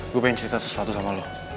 gue pengen cerita sesuatu sama lo